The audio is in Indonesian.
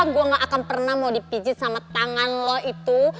gue gak akan pernah mau dipijit sama tangan lo itu